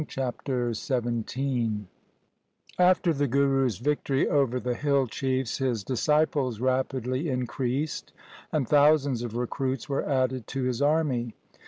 Chapter XVII After the Guru's victory over the hill chiefs his disciples rapidly increased, and thousands of recruits were added to his army.